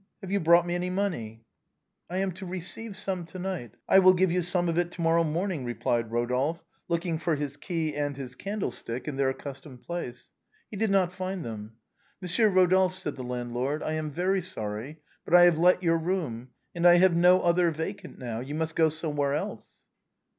Have you brought me any money ?"" I am to receive some to night ; I will give you some of it to morrow morning," replied Eodolphe, looking for his key and his candlestick in their accustomed place. He did not find them. " Monsieur Eodolphe," said the landlord, " I am very sorry, but I have let your room, and I have no other va cant just now — you must go somewhere else."